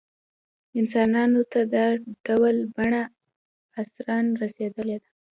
انسانانو ته دا ډول بڼه ارثاً رسېدلې ده.